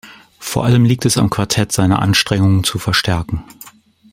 Vor allem liegt es am Quartett, seine Anstrengungen zu verstärken.